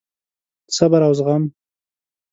صبر او زغم: